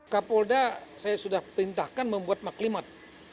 kapolda saya sudah perintahkan membuat maklimat